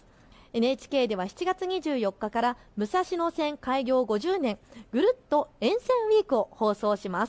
ＮＨＫでは７月２４日から武蔵野線開業５０年ぐるっと沿線ウイークを放送します。